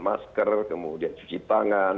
masker kemudian cuci tangan